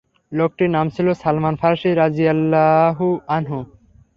লোকটির নাম ছিল সালমান ফার্সী রাযিয়াল্লাহু আনহু।